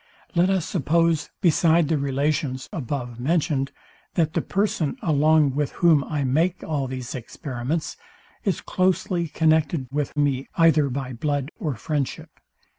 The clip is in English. Let us suppose, beside the relations above mentioned, that the person, along with whom I make all these experiments, is closely connected with me either by blood or friendship.